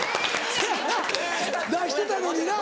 せやな出してたのにな。